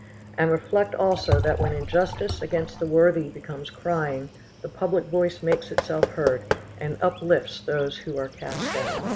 And reflect also that when injustice against the worthy becomes crying, the public voice makes itself heard, and uplifts those who are cast down.